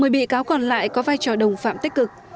một mươi bị cáo còn lại có vai trò đồng phạm tích cực